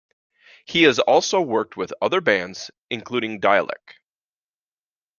He has also worked with other bands including Dahelak.